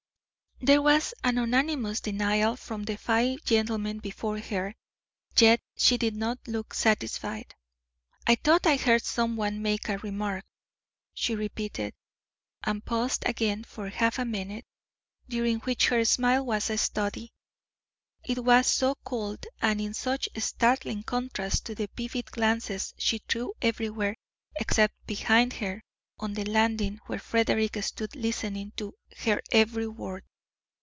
There was a unanimous denial from the five gentlemen before her, yet she did not look satisfied. "I thought I heard someone make a remark," she repeated, and paused again for a half minute, during which her smile was a study, it was so cold and in such startling contrast to the vivid glances she threw everywhere except behind her on the landing where Frederick stood listening to her every word.